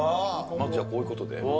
まずじゃあこういうことで。